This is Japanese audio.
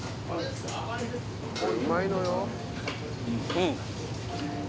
うん！